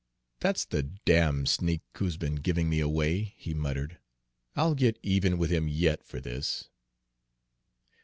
"That's the damned sneak who's been giving me away," he muttered. "I'll get even with him yet for this."